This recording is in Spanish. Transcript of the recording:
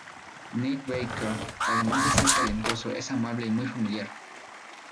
Nick Baker además de ser talentoso, es amable y muy familiar.